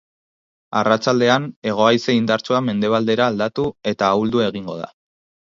Arratsaldean, hego-haize indartsua mendebaldera aldatu eta ahuldu egingo da.